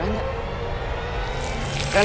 apaan tuh kutu kutu